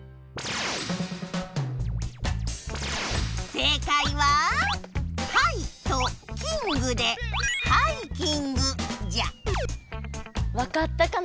正解は「はい」と「キング」で「ハイキング」じゃ分かったかな？